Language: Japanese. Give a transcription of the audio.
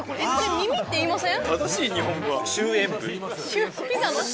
耳って言いません？